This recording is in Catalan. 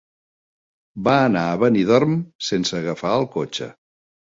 Va anar a Benidorm sense agafar el cotxe.